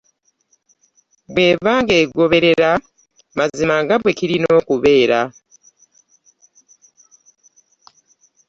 Bw'eba ng'egoberera mazima nga bwe kirina okubeera.